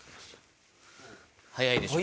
早いでしょ？